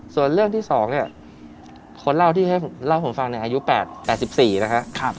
ส่วนเรื่องที่สองเนี่ยคนเล่าที่เล่าผมฟังในอายุ๘๔นะคะ